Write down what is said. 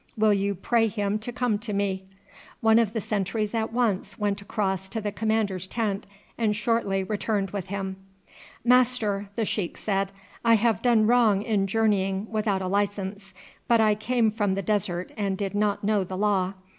Will you pray him to come to me?" One of the sentries at once went across to the commander's tent and shortly returned with him. "Master," the sheik said, "I have done wrong in journeying without a license, but I came from the desert and did not know the law.